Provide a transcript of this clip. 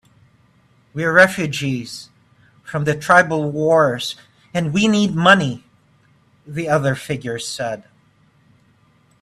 "We're refugees from the tribal wars, and we need money," the other figure said.